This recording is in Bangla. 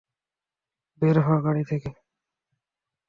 বের হ গাড়ি থেকে।